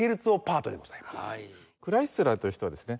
クライスラーという人はですね